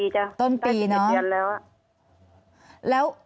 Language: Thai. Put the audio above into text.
จ้ะต้นปีจ้ะได้๑๑เดือนแล้ว